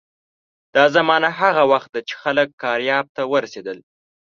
دا زمانه هغه وخت ده چې خلک کارایب ته ورسېدل.